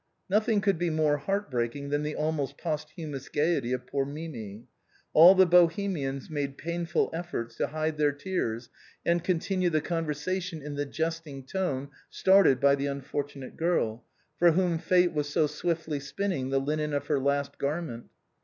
'" Nothing could be more heart breaking than the almost posthumous gaiety of poor IMimi. All the Bohemians made painful efforts to hide their tears and continue the conversation in the jesting tone started by the unfortunate girl, for whom fate was so swiftly spinning the linen of her last garment.